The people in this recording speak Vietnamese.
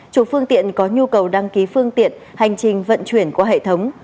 chủ phương tiện có nhu cầu đăng ký phương tiện hành trình vận chuyển qua hệ thống